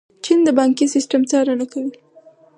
چین د بانکي سیسټم څارنه کوي.